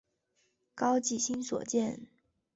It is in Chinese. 高季兴所建。